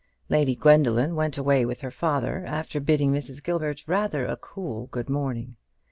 Lady Gwendoline went away with her father, after bidding Mrs. Gilbert rather a cool good morning.